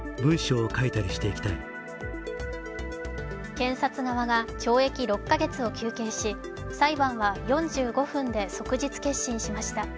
検察側が懲役６か月を求刑し裁判は４５分で即日結審しました。